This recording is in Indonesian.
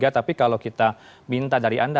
tapi kalau kita minta dari anda